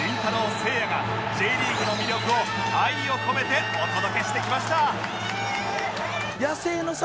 せいやが Ｊ リーグの魅力を愛を込めてお届けしてきました